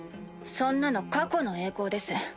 そんなの過去の栄光です。